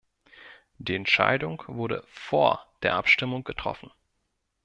Die Entscheidung wurde vor der Abstimmung getroffen.